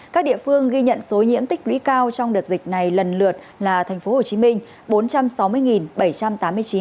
các địa phương ghi nhận số nhiễm tích lũy cao trong đợt dịch này lần lượt là tp hcm bốn trăm sáu mươi bảy trăm tám mươi chín người